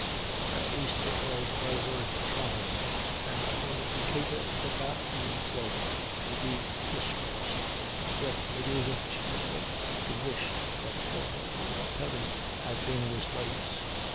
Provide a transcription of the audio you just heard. At least it was well worth trying, and though Decatur could not be said to be disgraced, yet it is excusable to wish that Porter or Perry had been in his place.